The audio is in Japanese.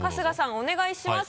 お願いします。